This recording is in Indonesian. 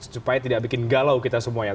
supaya tidak bikin galau kita semua ya